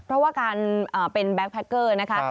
เพราะว่าการเป็นแบ็คแพคเกอร์นะคะ